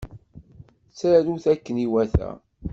Ttarut akken iwata.